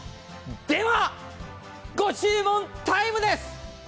ではご注文タイムです！